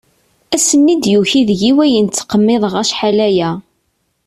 Ass-nni i d-yuki deg-i wayen ttqemmiḍeɣ achal aya.